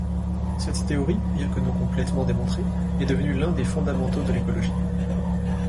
Cette théorie, bien que non complètement démontrée, est devenue l’un des fondamentaux de l’écologie.